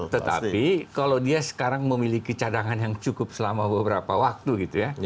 tetapi kalau dia sekarang memiliki cadangan yang cukup selama beberapa waktu gitu ya